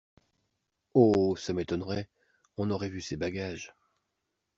Oh ! ça m’étonnerait, on aurait vu ses bagages.